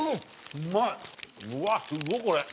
うわすごっこれ。